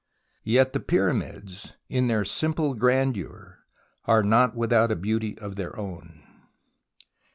Yet the Pyramids, in their simple grandeur, are not without a beauty of their own.